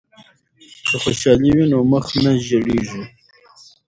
که خوشحالی وي نو مخ نه ژیړیږي.